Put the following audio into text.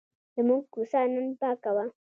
زموږ کوڅه نن پاکه وه.